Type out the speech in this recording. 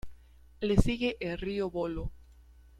Le sigue el río Bolo.